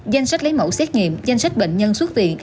danh sách lấy mẫu xét nghiệm danh sách bệnh nhân xuất viện